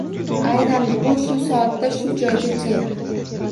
Aynan bugun shu soatda shu joyga kel.